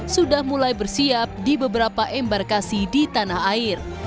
sudah mulai bersiap di beberapa embarkasi di tanah air